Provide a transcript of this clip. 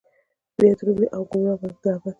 بيا به درومي او ګمراه به د ابد شي